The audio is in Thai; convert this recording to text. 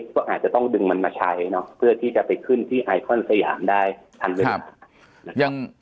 ก็อาจจะต้องดึงมันมาใช้เนาะเพื่อที่จะไปขึ้นที่ไอคอนสยามได้ทันเวลานะครับ